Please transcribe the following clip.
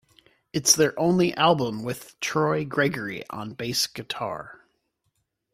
It is their only album with Troy Gregory on bass guitar.